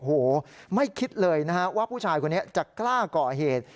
โอ้โหไม่คิดเลยนะฮะว่าผู้ชายคนนี้จะกล้าก่อเหตุ